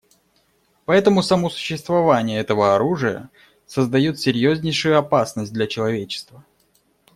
Поэтому само существование этого оружия создает серьезнейшую опасность для человечества.